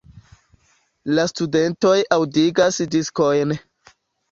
La studentoj aŭdigas diskojn.